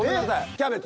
キャベツ。